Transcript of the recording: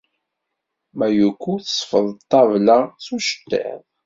Mayuko tesfeḍ ṭṭabla s uceṭṭiḍ.